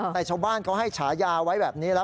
แต่ชาวบ้านเขาให้ฉายาไว้แบบนี้แล้ว